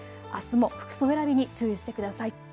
あすも服装選びに注意してください。